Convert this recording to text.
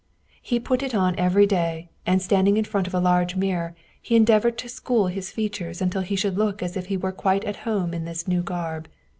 He put it on every day, and standing in front of a large mirror, he endeavored to school his features until he should look as if he were quite at home in this new garb.